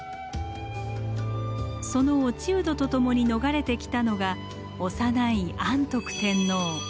その落人とともに逃れてきたのが幼い安徳天皇。